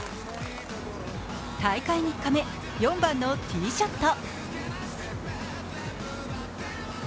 大会３日目、４番のティーショット。